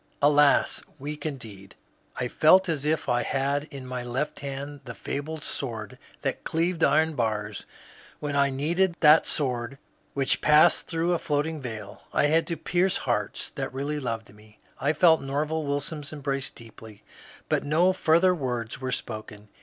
" Alas, weak indeed ! I felt as if I had in my left hand the fabled sword that cleaved iron bars when I needed that sword which passed through a floating veil. I had to pierce hearts that really loved me. I felt Nerval Wilson's embrace deeply, but no further words were spoken.